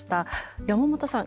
山本さん